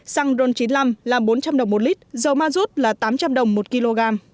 xăng ron chín mươi năm là bốn trăm linh đồng một lít dầu ma rút là tám trăm linh đồng một kg